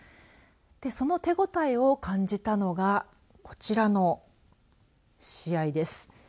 で、その手応えを感じたのがこちらの試合です。